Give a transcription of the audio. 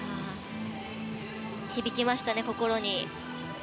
響きましたね、心に。